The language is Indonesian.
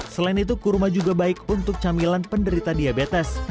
selain itu kurma juga baik untuk camilan penderita diabetes